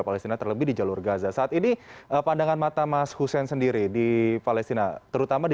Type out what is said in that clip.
palestina terlebih di jalur gaza saat ini pandangan mata mas hussein sendiri di palestina terutama di